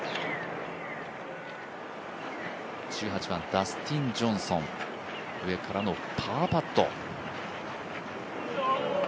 １８番、ダスティン・ジョンソン、上からのパーパット。